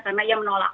karena ia menolak